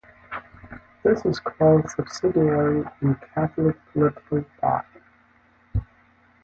This is called subsidiarity in Catholic political thought.